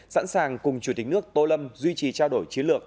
sẵn sàng cùng chủ tịch nước tô lâm duy trì trao đổi chiến lược